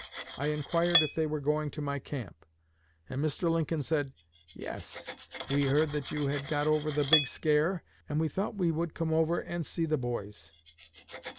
I inquired if they were going to my camp, and Mr. Lincoln said: 'Yes; we heard that you had got over the big scare, and we thought we would come over and see the boys.'